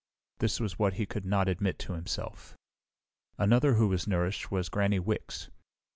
This was what he could not admit to himself. Another who was nourished was Granny Wicks.